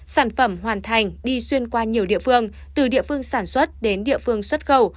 sản phẩm hoàn thành đi xuyên qua nhiều địa phương từ địa phương sản xuất đến địa phương xuất khẩu